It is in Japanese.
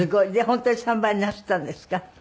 本当に３倍なすったんですか？